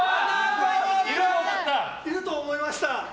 いると思いました。